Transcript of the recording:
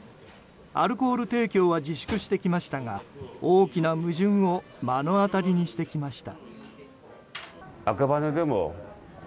アルコール提供は自粛してきましたが大きな矛盾を目の当たりにしてきました。